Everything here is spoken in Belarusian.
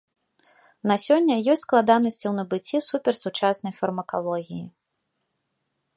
На сёння ёсць складанасці ў набыцці суперсучаснай фармакалогіі.